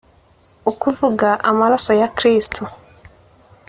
ukuvuga amaraso ya Kristo